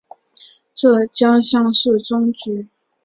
浙江乡试中举。